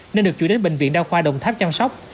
nên được chủ đến bệnh viện đa khoa đồng tháp chăm sóc